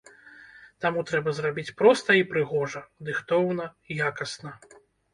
Таму трэба зрабіць проста і прыгожа, дыхтоўна, якасна.